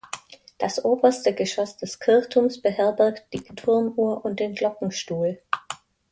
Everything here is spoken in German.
Das oberste Geschoss des Kirchturms beherbergt die Turmuhr und den Glockenstuhl.